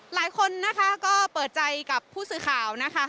หลายคนนะคะก็เปิดใจกับผู้สื่อข่าวนะคะ